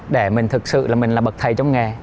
để mình thực sự là mình là bậc thầy trong nghề